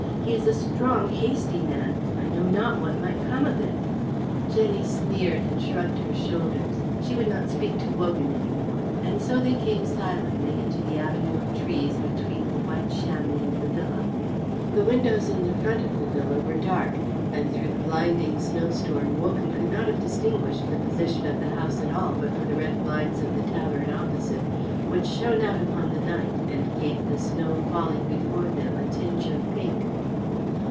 He is a strong, hasty man. I know not what might come of it." Jenny sneered and shrugged her shoulders. She would not speak to Wogan any more, and so they came silently into the avenue of trees between "The White Chamois" and the villa. The windows in the front of the villa were dark, and through the blinding snow storm Wogan could not have distinguished the position of the house at all but for the red blinds of the tavern opposite which shone out upon the night and gave the snow falling before them a tinge of pink.